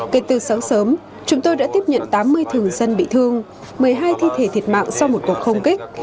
kể từ sáng sớm chúng tôi đã tiếp nhận tám mươi thường dân bị thương một mươi hai thi thể thiệt mạng sau một cuộc không kích